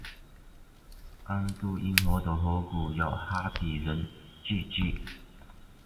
安都因河的河谷有哈比人聚居。